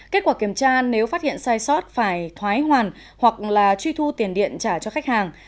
kết quả kiểm tra nếu phát hiện sai sót phải thoái hoàn hoặc là truy thu tiền điện trả cho khách hàng